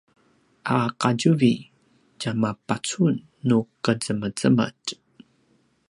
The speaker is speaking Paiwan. a qatjuvi tjamapacun nu qezemezemetj